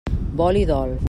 Vol i dol.